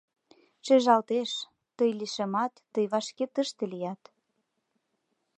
Шижалтеш: тый лишемат, тый вашке тыште лият!